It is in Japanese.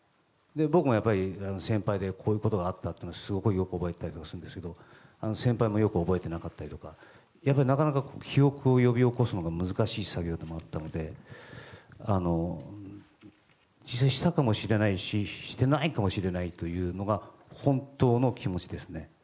僕もやっぱり先輩でこういうことがあったとかすごく覚えてたりするんですけど先輩もよく覚えてなかったりとかなかなか記憶を呼び起こすのが難しい作業でもあったので実際にしたかもしれないですししてないかもしれないというのが本当の気持ちですね。